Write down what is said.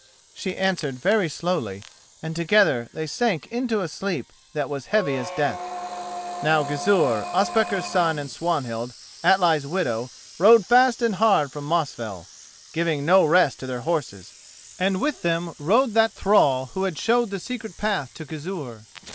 she answered very slowly, and together they sank into a sleep that was heavy as death. Now Gizur, Ospakar's son, and Swanhild, Atli's widow, rode fast and hard from Mosfell, giving no rest to their horses, and with them rode that thrall who had showed the secret path to Gizur.